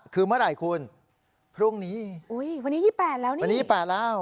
คือเมื่อไหร่คุณพรุ่งนี้อุ้ยวันนี้๒๘แล้วนี่วันนี้๘แล้ว